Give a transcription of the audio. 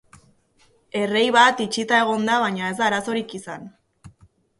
Errei bat itxita egon da, baina ez da arazorik izan.